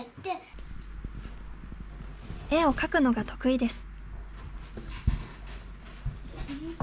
絵を描くのが得意です。